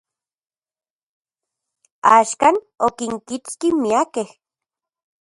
Axkan, okinkitski miakej.